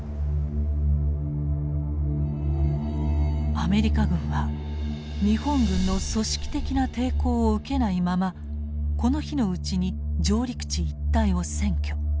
アメリカ軍は日本軍の組織的な抵抗を受けないままこの日のうちに上陸地一帯を占拠。